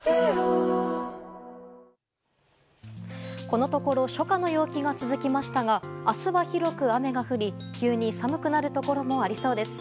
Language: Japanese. このところ初夏の陽気が続きましたが明日は広く雨が降り、急に寒くなるところもありそうです。